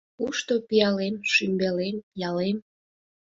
Кушто пиалем, шӱмбелем, ялем?